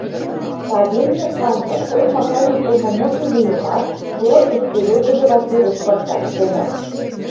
Савельев Ванька хоть-махань уполномоченныйымат со ӹшке докыжы ватерӹш пырта, шӹнӓ.